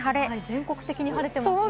全国的に晴れてます。